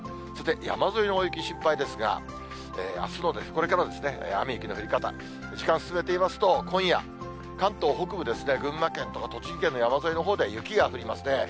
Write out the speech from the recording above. さて、山沿いの大雪心配ですが、あすの、これからですね、雨雪の降り方、時間進めてみますと、今夜、関東北部ですね、群馬県とか栃木県の山沿いのほうで雪が降りますね。